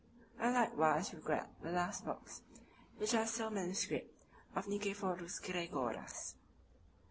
I likewise regret the last books, which are still manuscript, of Nicephorus Gregoras.